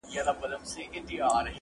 مینه په عمل ثابتېږي، نه یوازې په خبرو